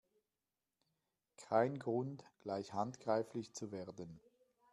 Kein Grund, gleich handgreiflich zu werden!